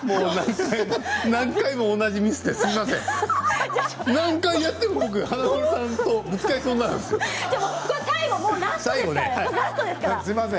何回も同じミスをしてすみません。